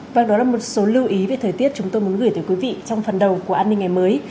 và đó là một số lưu ý về thời tiết chúng tôi muốn gửi tới quý vị trong phần đầu của an ninh ngày mới